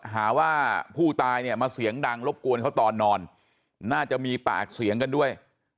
หาว่าผู้ตายเนี่ยมาเสียงดังรบกวนเขาตอนนอนน่าจะมีปากเสียงกันด้วย